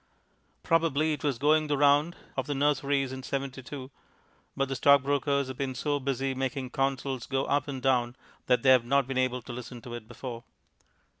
Probably it was going the round of the nurseries in 72, but the stockbrokers have been so busy making Consols go up and down that they have not been able to listen to it before.